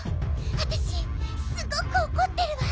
わたしすごくおこってるわ。